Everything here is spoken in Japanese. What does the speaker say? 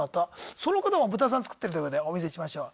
その方もブタさん作ってるということでお見せしましょう。